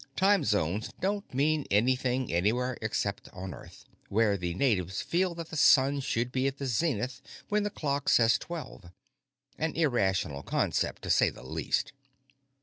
Time zones don't mean anything anywhere except on Earth, where the natives feel that the sun should be at the zenith when the clock says twelve. An irrational concept, to say the least.